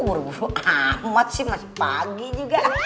buru buru amat sih masih pagi juga